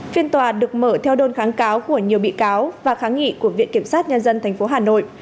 phiên tòa được mở theo đơn kháng cáo của nhiều bị cáo và kháng nghị của viện kiểm sát nhân dân tp hà nội